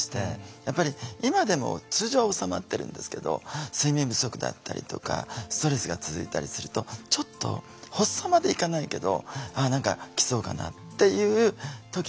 やっぱり今でも通常は治まってるんですけど睡眠不足だったりとかストレスが続いたりするとちょっと発作までいかないけど「あっ何か来そうかな」っていう時は来るんですよね。